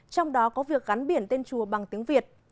trong đó có việc gắn biển tên chùa bằng tiếng việt